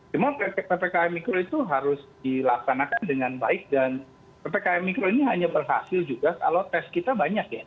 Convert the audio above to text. cuma ppkm mikro itu harus dilaksanakan dengan baik dan ppkm mikro ini hanya berhasil juga kalau tes kita banyak ya